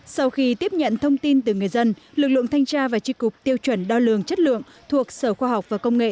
sau khi tiếp nhận thông tin từ người dân lực lượng thanh tra và tri cục tiêu chuẩn đo lường chất lượng thuộc sở khoa học và công nghệ